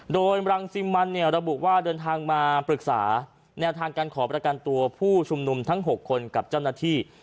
โดยรังสิมันเนี่ยระบุว่าเดินทางมาปรึกษาแนวทางการขอประกันตัวผู้ชุมนุมทั้ง๖คนกับเจ้าหน้าที่